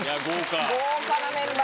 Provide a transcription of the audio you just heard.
豪華なメンバー。